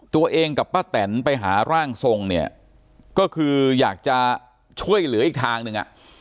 ตัวเองกับป้าแตนไปหาร่างทรงเนี่ยก็คืออยากจะช่วยเหลืออีกทางหนึ่งอ่ะ